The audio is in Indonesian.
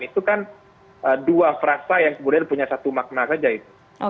itu kan dua frasa yang kemudian punya satu makna saja itu